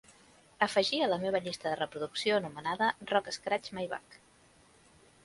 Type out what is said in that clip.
Afegir a la meva llista de reproducció anomenada rock Scratch My Back